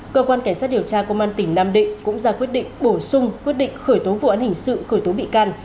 cơ quan cảnh sát điều tra công an tỉnh nam định cũng ra quyết định bổ sung quyết định khởi tố vụ án hình sự khởi tố bị can